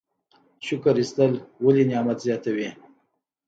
شکر ایستل ولې نعمت زیاتوي؟